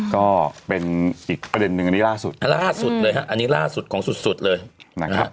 ก็เป็นอีกประเด็นนึงอันนี้ล่าสุดเลยฮะอันนี้ล่าสุดของสุดสุดเลยนะครับ